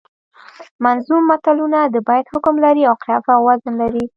منظوم متلونه د بیت حکم لري او قافیه او وزن لري